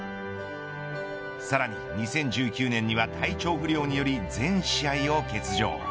さらに２０１９年には体調不良により全試合を欠場。